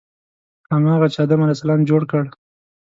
هماغه چې آدم علیه السلام جوړ کړ.